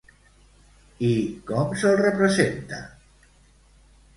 I com se'l representa?